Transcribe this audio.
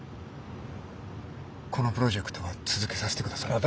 このプロジェクトは続けさせてください。